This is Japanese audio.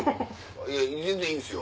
いや全然いいんですよ。